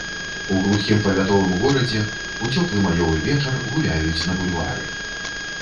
У глухім павятовым горадзе, у цёплы маёвы вечар, гуляюць на бульвары.